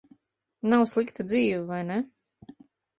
Nav slikta dzīve, vai ne?